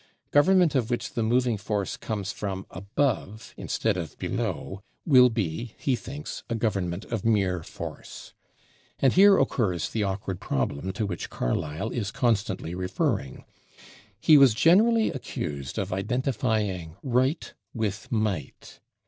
Government of which the moving force comes from above instead of below will be, he thinks, a government of mere force. And here occurs the awkward problem to which Carlyle is constantly referring. He was generally accused of identifying "right" with "might."